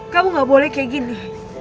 kamu gak boleh kayak gini